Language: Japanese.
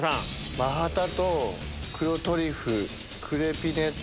マハタと黒トリュフクレピネット